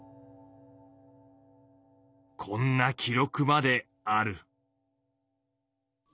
こんな記録まである。